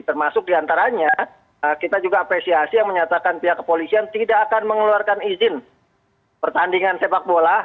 termasuk diantaranya kita juga apresiasi yang menyatakan pihak kepolisian tidak akan mengeluarkan izin pertandingan sepak bola